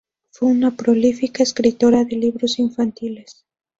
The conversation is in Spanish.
Fue una prolífica escritora de libros infantiles.